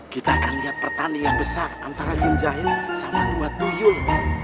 kita akan lihat pertandingan besar antara jin jahil sama tua tuyul